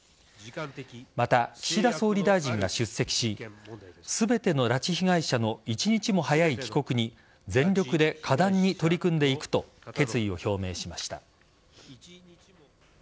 また、岸田総理大臣が出席し全ての拉致被害者の一日も早い帰国に全力で果断に取り組んでいくと決意を表明しました。